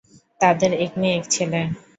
তাঁদের এক মেয়ে, এক ছেলে।